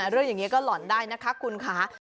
เรื่องอย่างนี้ก็หล่อนได้นะคะคุณค่ะ